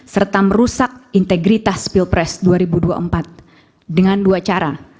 serta merusak integritas pilpres dua ribu dua puluh empat dengan dua cara